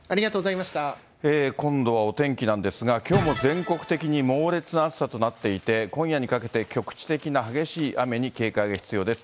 今度はお天気なんですが、きょうも全国的に猛烈な暑さとなっていて、今夜にかけて局地的な激しい雨に警戒が必要です。